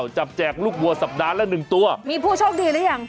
แจกลูกวัวสัปดาห์ละหนึ่งตัวมีผู้โชคดีหรือยัง